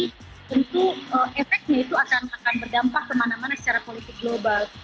tentu efeknya itu akan berdampak kemana mana secara politik global